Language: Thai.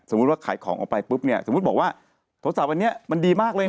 ว่าขายของออกไปปุ๊บเนี่ยสมมุติบอกว่าโทรศัพท์วันนี้มันดีมากเลยนะ